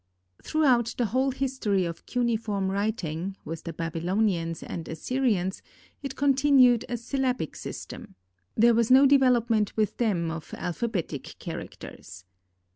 THROUGHOUT the whole history of cuneiform writing, with the Babylonians and Assyrians it continued a syllabic system. There was no development with them of alphabetic characters.